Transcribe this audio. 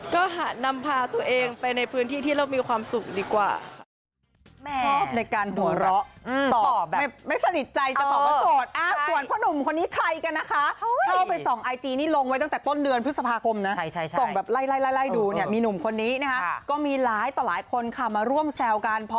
ก็นำพาตัวเองไปในพื้นที่ที่เรามีความสุขดีกว่า